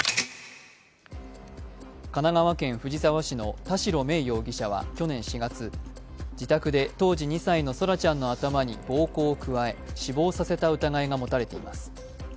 神奈川県藤沢市の田代芽衣容疑者は去年４月、自宅で当時２歳の空来ちゃんの頭に暴行を加え死亡させた疑いが持たれています。